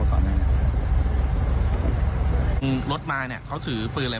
แล้วก็มีเหมือนกันกับทักทักท่างเหมือนกัน